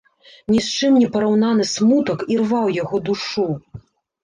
Ні з чым непараўнаны смутак ірваў яго душу.